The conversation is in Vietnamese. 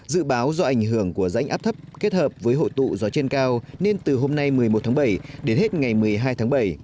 dự báo do ảnh hưởng của rãnh áp thấp kết hợp với hội tụ gió trên cao nên từ hôm nay một mươi một tháng bảy đến hết ngày một mươi hai tháng bảy